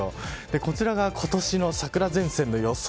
こちらが今年の桜前線の予想